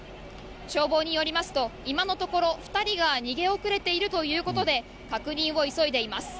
消防によりますと、今のところ、２人が逃げ遅れているということで、確認を急いでいます。